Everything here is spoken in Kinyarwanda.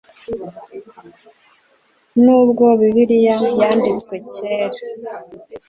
Nubwo Bibiliya yanditswe kera